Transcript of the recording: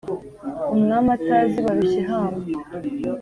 Umwami atazi Barushyihamba.